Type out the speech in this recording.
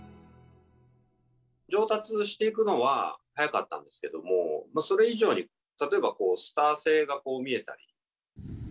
上達していくのは早かったんですけども、それ以上に、例えばこう、スター性が見えたり。